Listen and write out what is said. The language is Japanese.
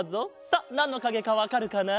さっなんのかげかわかるかな？